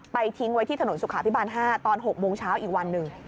ทิ้งไว้ที่ถนนสุขาพิบาล๕ตอน๖โมงเช้าอีกวันหนึ่ง